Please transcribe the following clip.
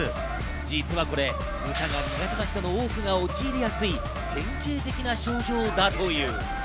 実はこれ、歌が苦手な人の多くが陥りやすい典型的な症状だという。